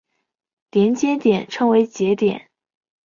连接点称为节点。